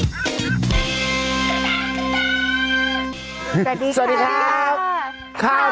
สวัสดีครับ